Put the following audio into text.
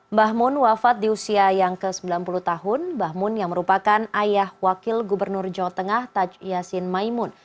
mbah mun wafat di usia yang ke sembilan puluh tahun mbah mun yang merupakan ayah wakil gubernur jawa tengah taj yasin maimun